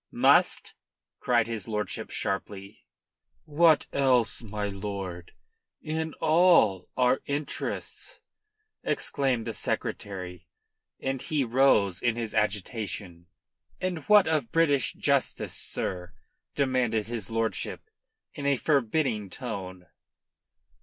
"Must!" cried his lordship sharply. "What else, my lord, in all our interests?" exclaimed the Secretary, and he rose in his agitation. "And what of British justice, sir?" demanded his lordship in a forbidding tone.